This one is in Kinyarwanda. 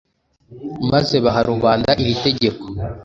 maze baha rubanda iri tegeko